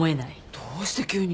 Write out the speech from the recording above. どうして急に？